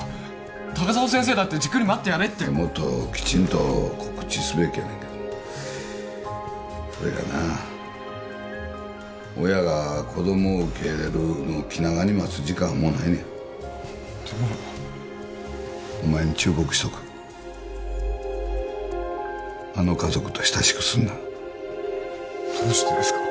高砂先生だってじっくり待ってやれってもっとキチンと告知すべきやねんけどそれがな親が子どもを受け入れるのを気長に待つ時間がもうないんやでもお前に忠告しておくあの家族とは親しくするなどうしてですか？